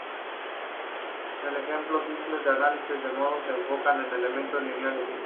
Los ejemplos simples de análisis de nodos se enfocan en elementos lineales.